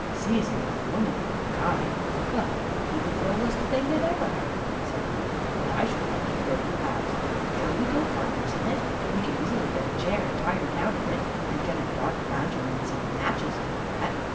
'" "Seize an old woman for a guy! Well, that would be the drollest thing that ever happened," said he; "and I should like to go you halves. Shall we go partners in it? We can easily get a chair and tie her down in it, and get a dark lantern and some matches and all that."